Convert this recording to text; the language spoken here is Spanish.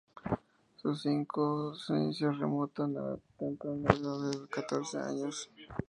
Sus inicios se remontan a la temprana edad de catorce años.